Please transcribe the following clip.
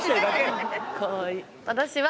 私は。